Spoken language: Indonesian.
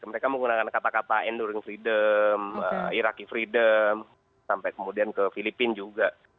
mereka menggunakan kata kata enduring freedom iraqi freedom sampai kemudian ke filipina juga